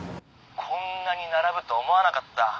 こんなに並ぶと思わなかった。